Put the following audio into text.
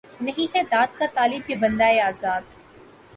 نہیں ہے داد کا طالب یہ بندۂ آزاد